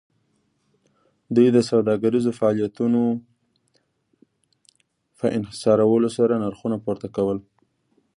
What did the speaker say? دوی د سوداګریزو فعالیتونو په انحصارولو سره نرخونه پورته کول